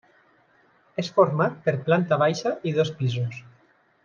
És format per planta baixa i dos pisos.